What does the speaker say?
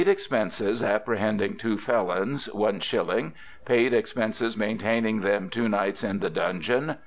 Expences apprehending two Felons.... /1/ "Pd. Expences maintaining them two Nights in the Dungeon